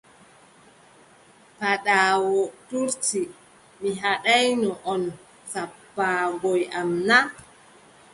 Paaɗaawu toonti: mi haɗaayno on sappaagoy am na?